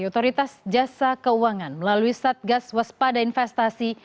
otoritas jasa keuangan melalui satgas waspada investasi